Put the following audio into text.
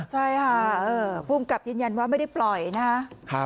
ใช่ค่ะภูมิกับยืนยันว่าไม่ได้ปล่อยนะครับ